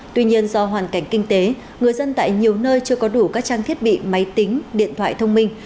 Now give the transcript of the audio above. tuy nhiên do hoàn cảnh kinh tế người dân tại nhiều nơi chưa có đủ các trang thiết bị máy tính điện thoại thông minh